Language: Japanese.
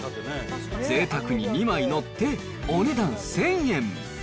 ぜいたくに２枚載って、お値段１０００円。